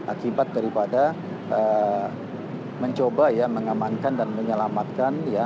akibat daripada mencoba mengamankan dan menyelamatkan